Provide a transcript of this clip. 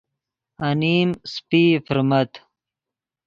انیم سپئی فرمت